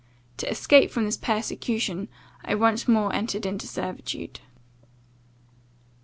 To escape from this persecution, I once more entered into servitude.